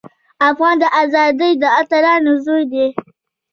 افغان د ازادۍ د اتلانو زوی دی.